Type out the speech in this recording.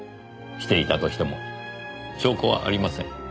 していたとしても証拠はありません。